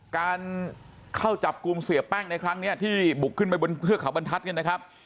การเข้าจับกลุ่มเสียแป้งในครั้งนี้ที่บุกขึ้นไปบนเทือกเขาบรรทัศน์กันนะครับ